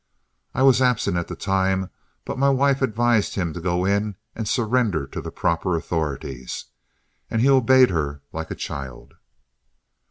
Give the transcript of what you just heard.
I was absent at the time, but my wife advised him to go in and surrender to the proper authorities, and he obeyed her like a child.